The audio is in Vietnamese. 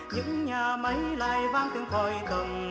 những nhà máy lại vang từng còi tầm